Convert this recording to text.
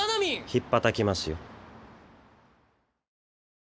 ひっぱたきますよ。